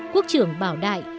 quốc trưởng bảo đại